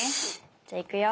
じゃあいくよ。